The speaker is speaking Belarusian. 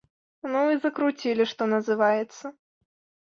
Ну і закруцілі, што называецца.